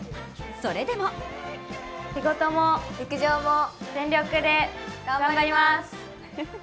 それでも仕事も陸上も全力で頑張ります！